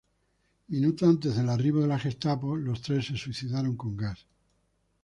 Minutos antes del arribo de la Gestapo, los tres se suicidaron con gas.